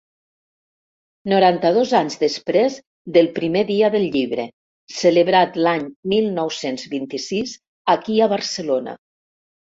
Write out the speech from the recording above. Noranta-dos anys després del primer dia del llibre, celebrat l'any mil nou-cents vint-i-sis aquí a Barcelona.